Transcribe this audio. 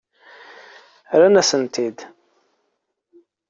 Rran-asen-t-id.